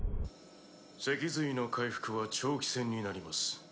脊髄の回復は長期戦になります。